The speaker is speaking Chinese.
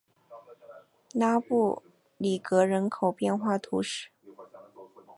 拉布里格人口变化图示